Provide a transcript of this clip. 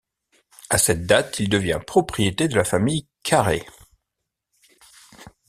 À cette date il devient propriété de la famille Quarré.